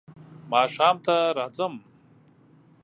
ماښام ته راځم .